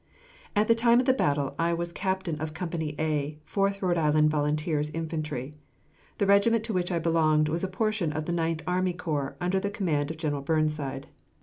At the time of the battle I was captain of Company A, Fourth Rhode Island Volunteers Infantry. The regiment to which I belonged was a portion of the Ninth Army Corps, under the command of General Burnside.